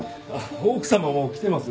奥様も来てます。